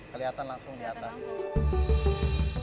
kelihatan langsung di atas